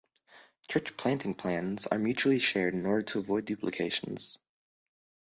Church planting plans are mutually shared in order to avoid duplications.